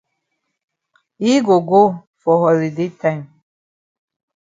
Yi go go for holiday time.